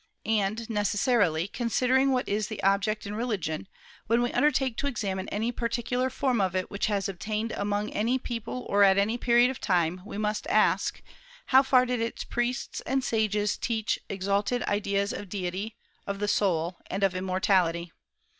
And, necessarily, considering what is the object in religion, when we undertake to examine any particular form of it which has obtained among any people or at any period of time, we must ask, How far did its priests and sages teach exalted ideas of Deity, of the soul, and of immortality?